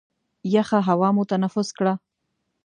یخه هوا مو تنفس کړل.